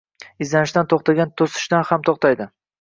Izlanishdan to‘xtagan o‘sishdan ham to‘xtaydi.